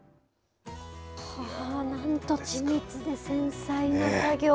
何と緻密で繊細な作業。